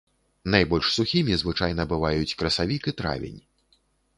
Найбольш сухімі звычайна бываюць красавік і травень.